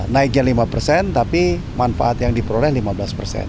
naiknya lima persen tapi manfaat yang diperoleh lima belas persen